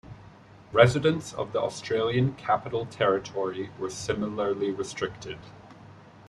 Residents of the Australian Capital Territory were similarly restricted.